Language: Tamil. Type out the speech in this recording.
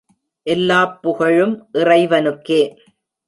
எல்லாப்புகழும் இறைவனுக்கே.